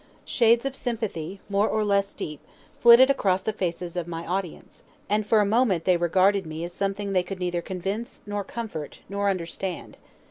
Shades of sympathy, more or less deep, flitted across the faces of my audience, and for a moment they regarded me as something they could neither convince nor comfort nor understand.